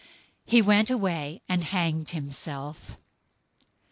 He went away and hanged himself.